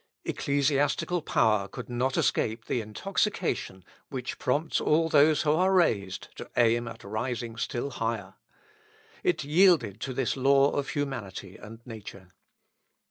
Ecclesiastical power could not escape the intoxication which prompts all those who are raised to aim at rising still higher. It yielded to this law of humanity and nature.